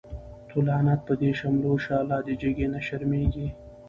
تو لعنت په دی شملو شه، لادی جگی نه شرمیږی